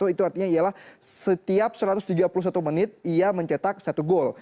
itu artinya ialah setiap satu ratus tujuh puluh satu menit ia mencetak satu gol